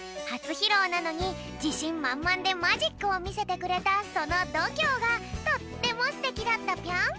ひろうなのにじしんまんまんでマジックをみせてくれたそのどきょうがとってもすてきだったぴょん。